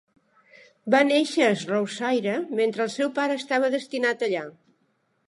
Va néixer a Shropshire mentre el seu pare estava destinat allà.